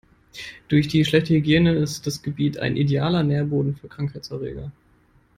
Durch die schlechte Hygiene ist das Gebiet ein idealer Nährboden für Krankheitserreger.